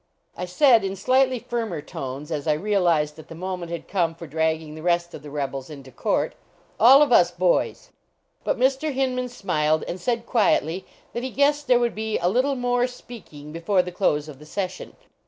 I said, in slightly firmer tones, as I realized that the moment had come for dragging the rest of the rebels into court : "All of us boys!" But Mr. Hinman smiled, and said quietly that he guessed there would be " a little more speaking before the close of the session.